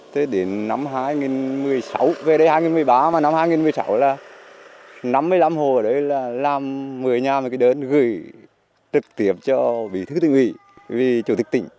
thế đến năm hai nghìn một mươi sáu về đây hai nghìn một mươi ba mà năm hai nghìn một mươi sáu là năm mươi năm hồ ở đấy là làm một mươi nhà một cái đơn gửi trực tiếp cho vị thư tỉnh ủy vị chủ tịch tỉnh